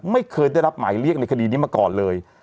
ไม่เคยได้รับหมายเรียกในคดีนี้มาก่อนเลย